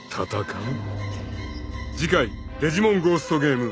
［次回『デジモンゴーストゲーム』］